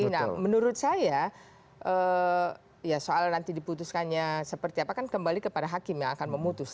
nah menurut saya ya soal nanti diputuskannya seperti apa kan kembali kepada hakim yang akan memutus